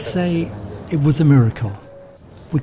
saya hanya bisa mengatakan bahwa itu adalah sebuah keajaiban